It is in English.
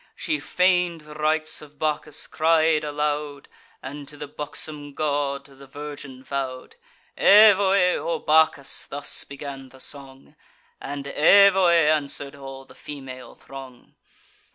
She feign'd the rites of Bacchus; cried aloud, And to the buxom god the virgin vow'd. "Evoe! O Bacchus!" thus began the song; And "Evoe!" answer'd all the female throng.